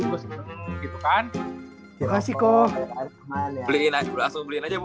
beliin aja bu asal beliin aja bu